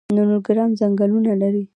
د نورګرام ځنګلونه لري